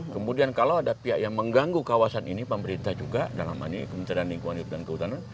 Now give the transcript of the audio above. kemudian kalau ada pihak yang mengganggu kawasan ini pemerintah juga dalam hal ini kementerian lingkungan hidup dan kehutanan